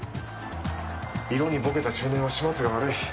色にボケた中年は始末が悪い。